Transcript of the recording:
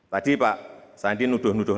tadi pak sandi nuduh nuduh